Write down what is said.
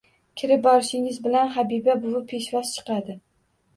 Kirib borishingiz bilan Habiba buvi peshvoz chiqadi.